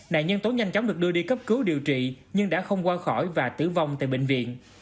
nạn nhân tố nhanh chóng được đưa đi cấp cứu điều trị nhưng đã không qua khỏi và tử vong tại bệnh viện